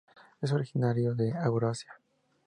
Es originario de Eurasia.